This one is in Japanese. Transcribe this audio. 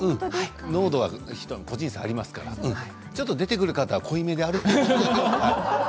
濃度は個人差ありますからちょっと出てくる方は濃いめである方が多いですけど。